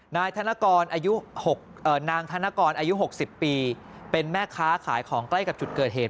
นายธนกรอายุนางธนกรอายุ๖๐ปีเป็นแม่ค้าขายของใกล้กับจุดเกิดเหตุ